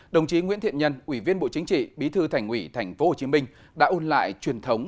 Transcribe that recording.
đồng chí nguyễn thiện nhân ủy viên bộ chính trị bí thư thành ủy tp hcm đã ôn lại truyền thống